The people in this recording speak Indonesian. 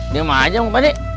diam aja pak rt